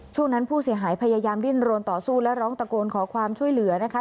ช่วงนั้นผู้เสียหายพยายามดิ้นโรนต่อสู้และร้องตะโกนขอความช่วยเหลือนะคะ